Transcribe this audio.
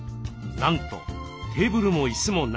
なんとテーブルも椅子もなし。